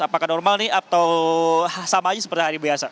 apakah normal nih atau sama aja seperti hari biasa